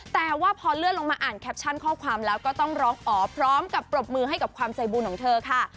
แต่ว่าพอเลื่อนลงมาอ่านแคปชั่นข้อความแล้วก็ต้องร้องอ๋อพร้อมกับปรบมือให้กับความใจบุญของเธอค่ะ